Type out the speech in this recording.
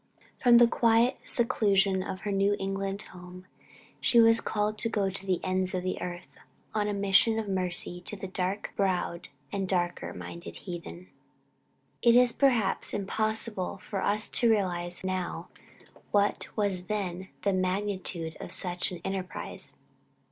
From the quiet and seclusion of her New England home, she was called to go to the ends of the earth, on a mission of mercy to the dark browed and darker minded heathen. It is perhaps impossible for us to realize now what was then the magnitude of such an enterprise.